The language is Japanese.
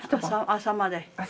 朝まで。